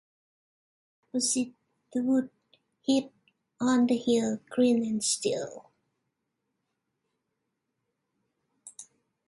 Opposite, the wood heaped on the hill, green and still.